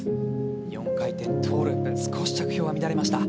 ４回転トウループ少し着氷は乱れました。